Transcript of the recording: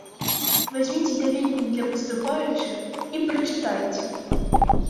Вазьміце даведнік для паступаючых і прачытайце!